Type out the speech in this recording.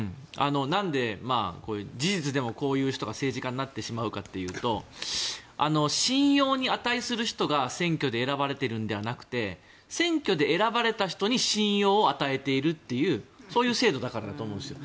なんでこういう事実でもこういう人が政治家になってしまうかというと信用に値する人が選挙で選ばれているのではなくて選挙で選ばれた人に信用を与えているというそういう制度だからだと思うんですよ。